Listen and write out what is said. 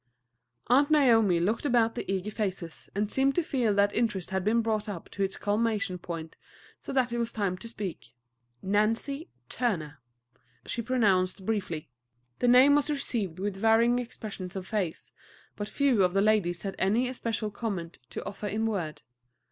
Aunt Naomi looked about on the eager faces, and seemed to feel that interest had been brought up to its culmination point so that it was time to speak. "Nancy Turner," she pronounced briefly. The name was received with varying expressions of face, but few of the ladies had any especial comment to offer in word.